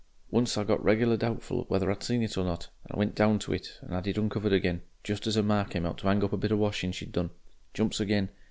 Once I got regular doubtful whether I'd seen it or not, and went down to it and 'ad it uncovered again, just as her ma came out to 'ang up a bit of washin' she'd done. Jumps again!